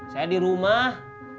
saya di rumah